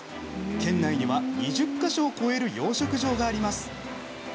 県内には２０か所を超える養殖場があります。